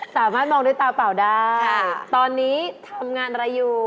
สามารถมองด้วยตาเปล่าได้ตอนนี้ทำงานอะไรอยู่